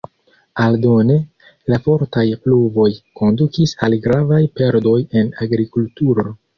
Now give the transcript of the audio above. Aldone, la fortaj pluvoj kondukis al gravaj perdoj en agrikulturo.